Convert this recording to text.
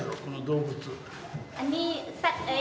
この動物。